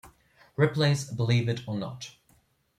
Ripley's Believe It or Not!